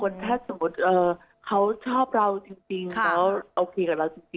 แล้วโอเคกับเราจริงแล้วเข้ามาอย่างนี้